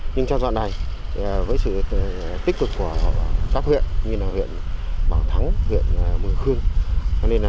nhưng trong dọn này với sự tích cực của các huyện như huyện bảng thắng huyện mường khương